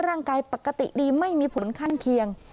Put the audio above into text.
ร่างกายปกติดีไม่มีผลข้างเคียง